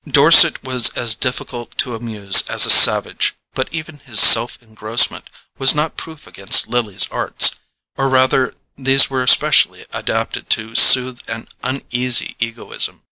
Dorset was as difficult to amuse as a savage; but even his self engrossment was not proof against Lily's arts, or rather these were especially adapted to soothe an uneasy egoism.